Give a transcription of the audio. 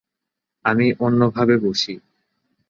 আমি অন্যভাবে বসি!